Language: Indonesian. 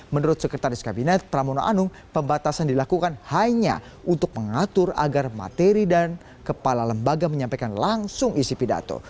menurut sekretaris kabinet pramono anung pembatasan dilakukan hanya untuk mengatur agar materi dan kepala lembaga menyampaikan langsung isi pidato